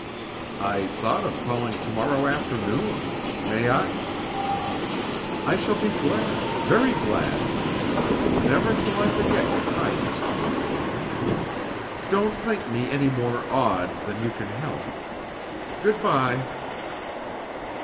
"I thought of calling to morrow afternoon. May I?" "I shall be glad very glad. Never shall I forget your kindness to me to day. Don't think me any more odd than you can help. Good bye."